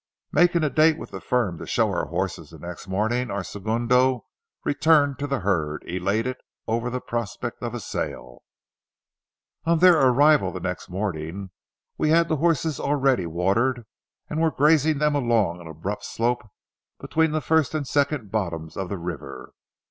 Making a date with the firm to show our horses the next morning, our segundo returned to the herd, elated over the prospect of a sale. On their arrival the next morning, we had the horses already watered and were grazing them along an abrupt slope between the first and second bottoms of the river.